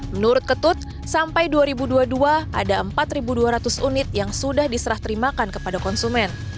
menurut ketut sampai dua ribu dua puluh dua ada empat dua ratus unit yang sudah diserah terimakan kepada konsumen